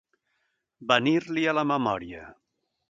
Venir-li a la memòria.